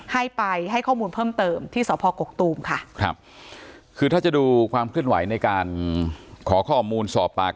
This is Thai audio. ให้ไปให้ข้อมูลเพิ่มเติมที่สพกกตูมค่ะครับคือถ้าจะดูความเคลื่อนไหวในการขอข้อมูลสอบปาก